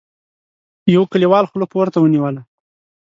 يوه کليوال خوله پورته ونيوله: